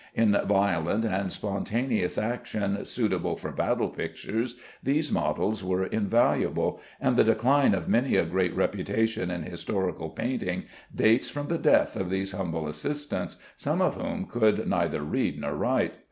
In violent and spontaneous action suitable for battle pictures these models were invaluable, and the decline of many a great reputation in historical painting dates from the death of these humble assistants, some of whom could neither read nor write.